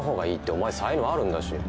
お前才能あるんだし。